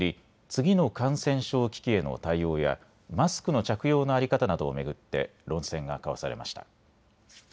次の感染症危機への対応やマスクの着用の在り方などを巡って論戦が交わされました。